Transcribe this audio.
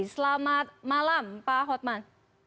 selamat malam pak hotman